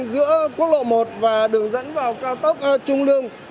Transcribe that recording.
giữa quốc lộ một và đường dẫn vào cao tốc trung lương